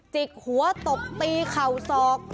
จิกหัวตบตีเข่าศอก